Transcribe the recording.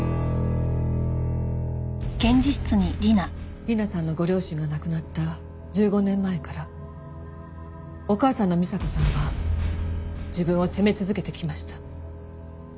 理奈さんのご両親が亡くなった１５年前からお母さんの美紗子さんは自分を責め続けてきました。